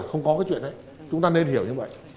không có cái chuyện đấy chúng ta nên hiểu như vậy